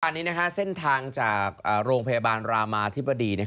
อันนี้เส้นทางจากโรงพยาบาลรามาธิบดี